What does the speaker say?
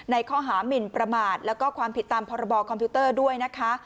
ในข้อหามินประมาทแล้วก็ความผิดตามพรบคอมพิวเตอร์ด้วยนะคะ